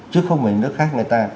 chứ không phải nước khác người ta